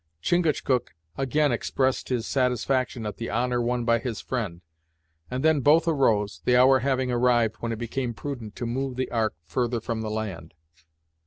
Chingachgook again expressed his satisfaction at the honour won by his friend, and then both arose, the hour having arrived when it became prudent to move the Ark further from the land.